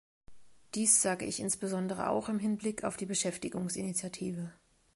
Dies sage ich insbesondere auch im Hinblick auf die Beschäftigungsinitiative.